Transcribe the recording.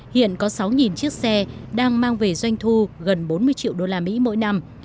hiện có sáu chiếc xe đang mang về doanh thu gần bốn mươi triệu đô la mỹ mỗi năm